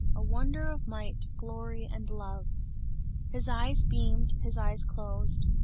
A wonder of might, glory and love!" His eyes beamed, his eyes closed.